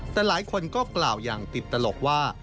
แต่หลายคนก็กล่าวอย่างติดตลกว่า